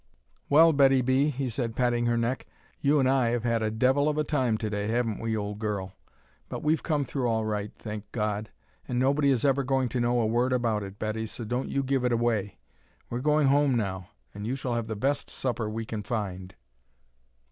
"Well, Betty B.," he said, patting her neck, "you and I have had a devil of a time to day, haven't we, old girl? But we've come through all right, thank God! And nobody is ever going to know a word about it, Betty; so don't you give it away. We're going home now, and you shall have the best supper we can find."